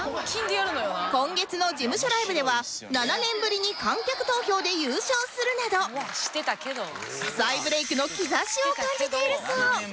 今月の事務所ライブでは７年ぶりに観客投票で優勝するなど再ブレイクの兆しを感じているそう